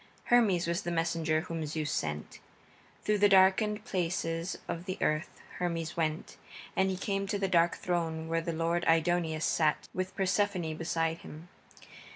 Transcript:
Hermes was the messenger whom Zeus sent. Through the darkened places of the earth Hermes went, and he came to that dark throne where the lord Aidoneus sat, with Persephone beside him.